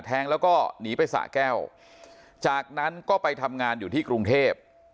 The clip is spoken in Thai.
แทงแล้วก็หนีไปสะแก้วจากนั้นก็ไปทำงานอยู่ที่กรุงเทพ